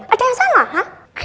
ada yang salah hah